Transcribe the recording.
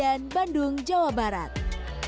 apa yang akan terjadi